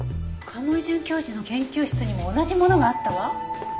賀茂井准教授の研究室にも同じものがあったわ。